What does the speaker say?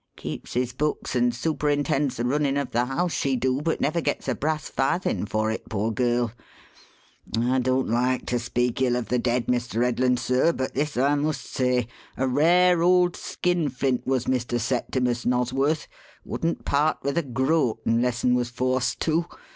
Keeps his books and superintends the runnin' of the house, she do, but never gets a brass farthin' for it, poor girl. I don't like to speak ill of the dead, Mr. Headland, sir, but this I must say: A rare old skinflint was Mr. Septimus Nosworth wouldn't part with a groat unless un was forced to.